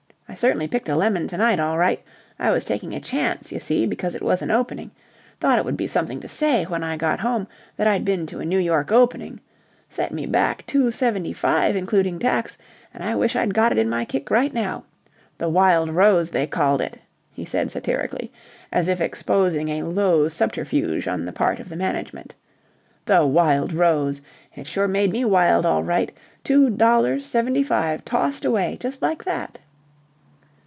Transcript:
I cert'nly picked a lemon to night all right. I was taking a chance, y'see, because it was an opening. Thought it would be something to say, when I got home, that I'd been to a New York opening. Set me back two seventy five, including tax, and I wish I'd got it in my kick right now. 'The Wild Rose,' they called it," he said satirically, as if exposing a low subterfuge on the part of the management. "'The Wild Rose!' It sure made me wild all right. Two dollars seventy five tossed away, just like that."